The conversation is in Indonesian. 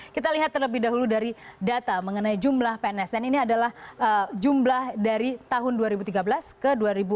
kita lihat terlebih dahulu dari data mengenai jumlah pns dan ini adalah jumlah dari tahun dua ribu tiga belas ke dua ribu enam belas